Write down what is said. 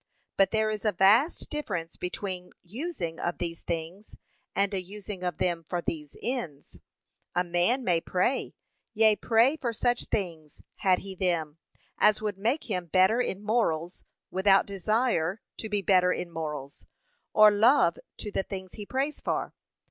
But there is a vast difference between using of these things, and a using of them for these ends. A man may pray, yea pray for such things, had he them, as would make him better in morals, without desire to be better in morals, or love to the things he prays for.